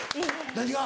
何が？